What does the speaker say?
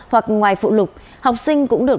hoặc ngoài phụ lục học sinh cũng được